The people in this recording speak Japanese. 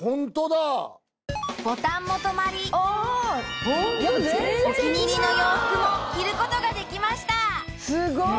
ボタンも留まりお気に入りの洋服も着ることができましたすごい！